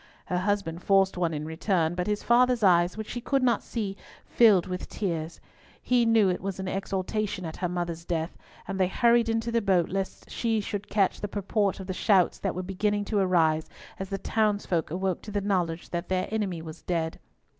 Her husband forced one in return; but his father's eyes, which she could not see, filled with tears. He knew it was in exultation at her mother's death, and they hurried into the boat lest she should catch the purport of the shouts that were beginning to arise as the townsfolk awoke to the knowledge that their enemy was dead.